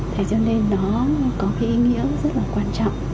thế cho nên nó có cái ý nghĩa rất là quan trọng